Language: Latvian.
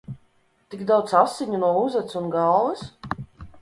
Tik daudz asiņu no uzacs un galvas?